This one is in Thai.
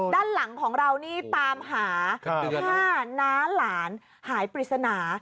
ด้านหลังของเรานี่ตามหาถ้าน้าหลานหายปริศนา